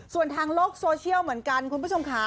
ส่วนทางโลกโซเชียลเหมือนกันคุณผู้ชมค่ะ